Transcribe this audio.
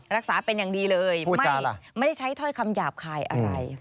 รักษาเป็นอย่างดีเลยไม่ได้ใช้ถ้อยคำหยาบคายอะไร